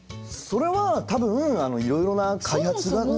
それは多分いろいろな開発が進んで。